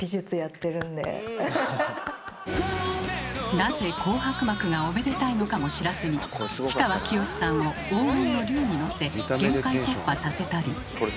なぜ紅白幕がおめでたいのかも知らずに氷川きよしさんを黄金の竜に乗せ「限界突破」させたり。